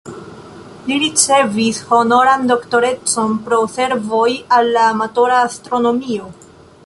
Li ricevis honoran doktorecon pro servoj al la amatora astronomio.